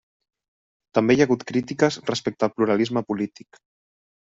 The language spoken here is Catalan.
També hi ha hagut crítiques respecte al pluralisme polític.